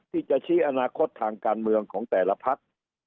ที่จะชี้อนาคตทางการเมืองของแต่ละพัก